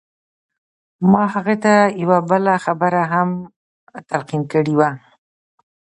ما هغه ته يوه بله خبره هم تلقين کړې وه.